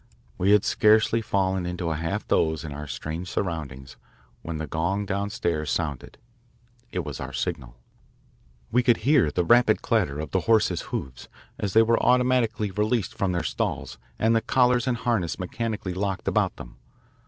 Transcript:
We had scarcely fallen into a half doze in our strange surroundings when the gong downstairs sounded. It was our signal. We could hear the rapid clatter of the horses' hoofs as they were automatically released from their stalls and the collars and harness mechanically locked about them.